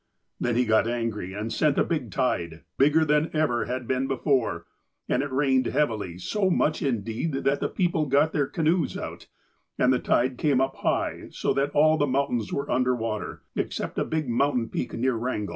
Then he got angry, and he sent a big tide, bigger than ever had been before, and it raiued heavily, so much, indeed, that the people got their canoes out, and the tide came up high, so that all the mountains were under water, except a big mountain peak near Wrangel.